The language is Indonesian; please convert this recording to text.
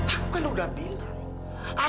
aku kan udah bilang